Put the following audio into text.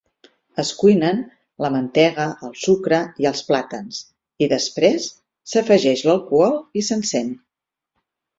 Es cuinen la mantega, el sucre i els plàtans i després s'afegeix l'alcohol i s'encén.